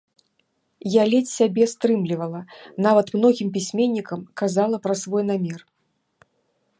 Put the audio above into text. Я ледзь сябе стрымлівала, нават многім пісьменнікам казала пра свой намер.